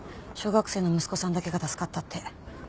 小学生の息子さんだけが助かったって。